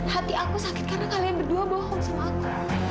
hati aku sakit karena kalian berdua bohong sama aku